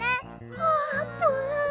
あーぷん！